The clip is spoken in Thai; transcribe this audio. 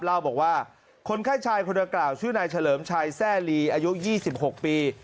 เล่าบอกว่าคนไข้ชายคนดังกล่าวชื่อนายเฉลิมชัยแทร่ลีอายุ๒๖ปี